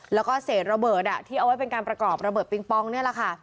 แล้วก็เศษระเบิดที่เอาไว้เป็นการประกอบระเบิดปิงปองนี่แหละค่ะ